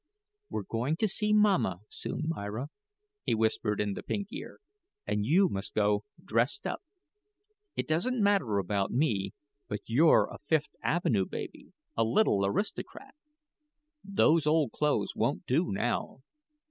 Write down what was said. "We're going to see mamma, soon, Myra," he whispered in the pink ear; "and you must go dressed up. It don't matter about me; but you're a Fifth Avenue baby a little aristocrat. These old clothes won't do, now."